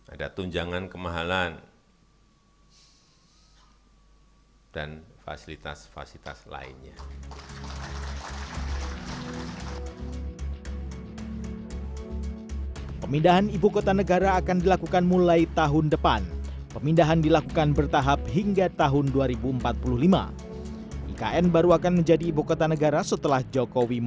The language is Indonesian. ada tunjangan kemahalan dan fasilitas fasilitas lainnya